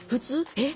「えっ？」